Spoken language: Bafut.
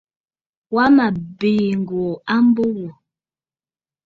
Wa mə̀ biì ŋ̀gòò a mbo wò.